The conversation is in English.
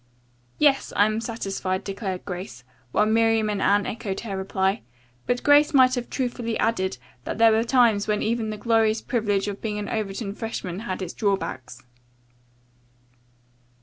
"Yes, I am satisfied," declared Grace, while Miriam and Anne echoed her reply, but Grace might have truthfully added that there were times when even the glorious privilege of being an Overton freshman had its drawbacks.